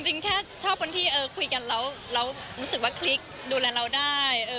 จริงแค่ชอบคนที่คุยกันแล้วรู้สึกว่าคลิกดูแลเราได้